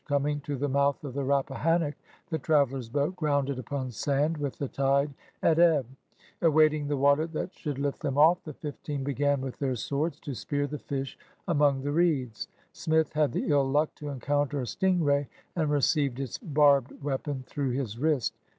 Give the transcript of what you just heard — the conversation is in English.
Coming to the mouth of the Rappahannock, the travders' boat grounded upon sand, with the tide at ebb. Await ing the water that should lift them off, the fifteen b^an with their swords to spear the fish among the reeds. Smith had the ill luck to encounter a sting ray, and received its barbed weapon through his wrist.